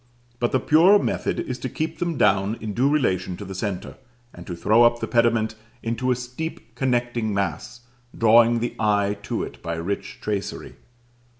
But the purer method is to keep them down in due relation to the centre, and to throw up the pediment into a steep connecting mass, drawing the eye to it by rich tracery.